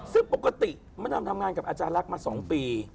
ซึ่งปกติมะดำทำงานกับอาจารย์ลักษณ์มา๒ปี